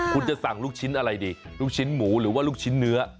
คุณจะสั่งลูกชิ้นอะไรดีลูกชิ้นหมูหรือว่าลูกชิ้นเนื้อ